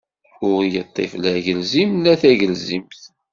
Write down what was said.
Ur iṭṭif la agelzim, la tagelzimt.